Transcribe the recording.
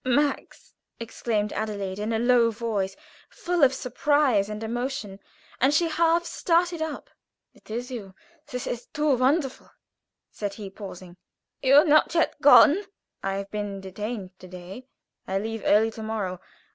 "Max!" exclaimed Adelaide, in a low voice, full of surprise and emotion, and she half started up. "It is you! That is too wonderful!" said he, pausing. "You are not yet gone?" "I have been detained to day. I leave early to morrow.